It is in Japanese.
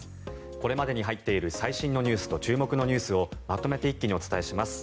これまでに入っている最新ニュースと注目ニュースをまとめて一気にお伝えします。